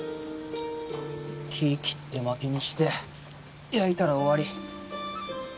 木切ってまきにして焼いたら終わり。